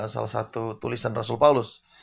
salah satu tulisan rasul paulus